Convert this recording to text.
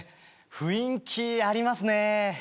雰囲気ありますね